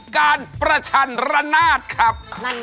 การประชันระนาดครับ